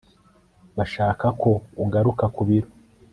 bashaka ko ugaruka ku biro